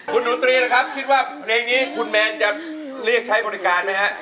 คุณหนูตรีนะครับคิดว่าเพลงนี้คุณแมนจะเรียกใช้บริการไหมฮะ